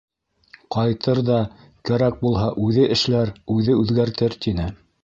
Ҡайтыр ҙа, кәрәк булһа, үҙе эшләр, үҙе үҙгәртер, тине.